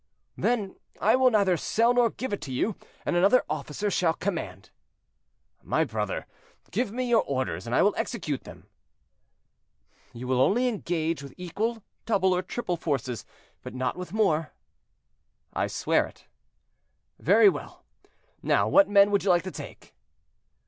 "Then I will neither sell nor give it to you; and another officer shall command." "My brother, give your orders and I will execute them." "You will only engage with equal, double, or triple forces, but not with more?" "I swear it." "Very well; now, what men would you like to take?"